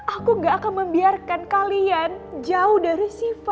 aku gak akan membiarkan kalian jauh dari sifat